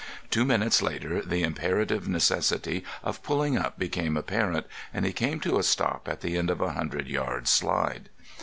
Two minutes later the imperative necessity of pulling up became apparent, and he came to a stop at the end of a hundred yards' slide.